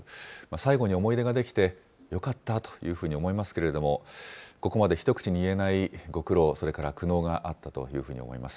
最後に思い出ができてよかったというふうに思いますけれども、ここまで一口にいえないご苦労、それから苦悩があったというふうに思います。